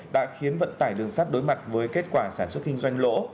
đã khiến vận tải đường sắt đối mặt với kết quả sản xuất kinh doanh lỗ